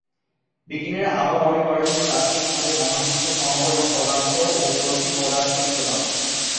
বিজ্ঞানীরা আরও মনে করেন যে তাত্ত্বিকভাবে মহাবিশ্বে সমপরিমাণ পদার্থ ও প্রতি-পদার্থ বিদ্যমান।